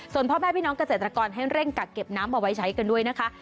ส่วนพ่อแม่พี่น้องเกษตรกรให้เร่งกักเก็บน้ำเอาไว้ใช้กันด้วยนะคะ